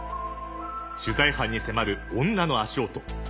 取材班に迫る女の足音。